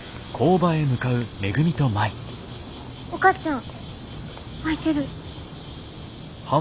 お母ちゃん開いてる。